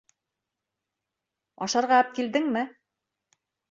Ашарға әпкилдеңме?